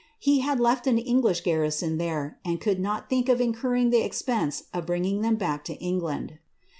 He had left an English garrison there, and could not think of incurring the ex pense of bringing them back to England.